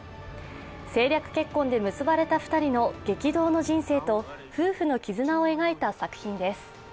政略結婚で結ばれた２人の激動の人生と夫婦の絆を描いた作品です。